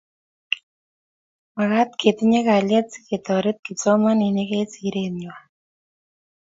makat ketinye kaliet siketoret kipsomaninik eng siret nguay